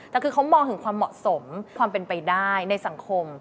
แต่คือเขามองถึงความเหมาะสมความเป็นไปได้ในสังคม